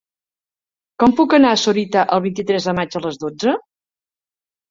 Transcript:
Com puc anar a Sorita el vint-i-tres de maig a les dotze?